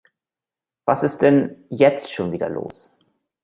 Was ist denn jetzt schon wieder los?